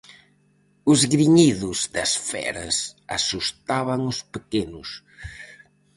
Os griñidos das feras asustaban os pequenos.